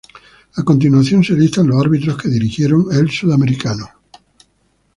A continuación se listan los árbitros que dirigieron el sudamericano.